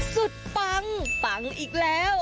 ปังปังอีกแล้ว